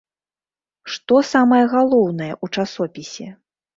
Што самае галоўнае ў часопісе?